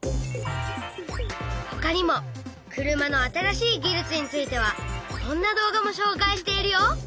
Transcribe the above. ほかにも車の新しい技術についてはこんな動画もしょうかいしているよ。